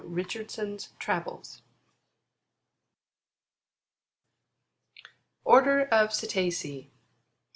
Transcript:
Richardson's Travels. O R D S R OF CETACEA.